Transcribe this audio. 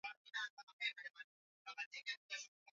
wao ee watu wao wanawahitaji zaidi kuliko wao